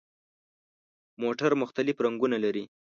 موټر مختلف رنګونه لري.